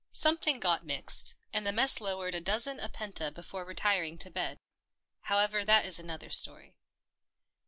Something got mixed, and the mess lowered a dozen Apenta before retiring to bed. However, that is another story.